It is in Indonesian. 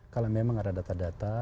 kalau memang ada data data